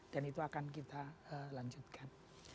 itu akan kita lanjutkan